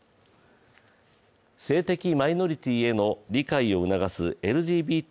性的マイノリティーへの理解を促すＬＧＢＴ